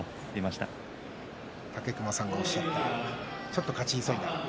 武隈さんがおっしゃったちょっと勝ち急いだ。